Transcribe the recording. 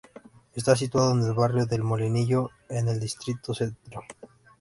Está situado en el barrio de El Molinillo, en el distrito Centro.